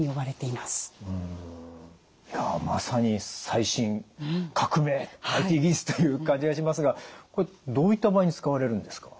いやまさに最新革命ＩＴ技術という感じがしますがこれどういった場合に使われるんですか？